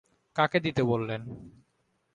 কাকে দিতে বললেন?